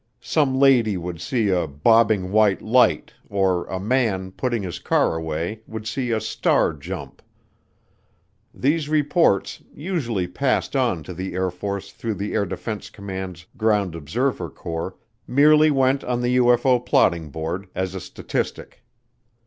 Some lady would see a "bobbing white light"; or a man, putting his car away, would see a "star jump." These reports, usually passed on to the Air Force through the Air Defense Command's Ground Observer Corps, merely went on the UFO plotting board as a statistic.